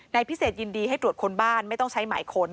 นายพิเศษยินดีให้ตรวจคนบ้านไม่ต้องใช้หมายค้น